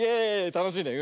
たのしいね。